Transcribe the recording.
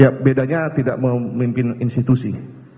ya bedanya tidak memimpin institusi